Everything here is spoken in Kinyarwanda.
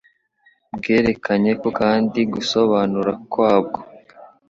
Bwerekanyeko kandi gusohora kwabwo